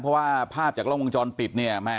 เพราะว่าภาพจากกล้องวงจรปิดเนี่ยแม่